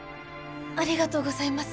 ありがとうございます。